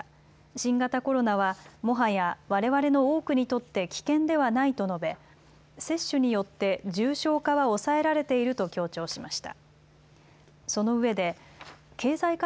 新型コロナは、もはやわれわれの多くにとって危険ではないと述べ接種によって重症化は抑えられていると強調しました。